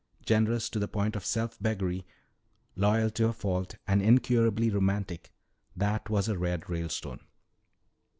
Generous to the point of self beggary, loyal to a fault, and incurably romantic, that was a "Red" Ralestone.